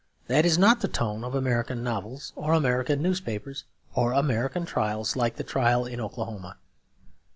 That is not the tone of American novels or American newspapers or American trials like the trial in Oklahoma.